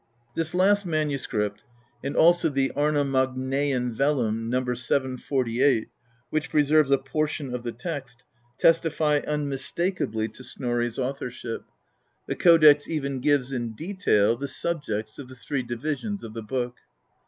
This last manuscript, and also the Arnamagnaean vellum No. 748, which preserves a portion of the text, tes tify unmistakably to Snorri's authorship; the Codex even gives, in detail, the subjects of the three divisions of the book.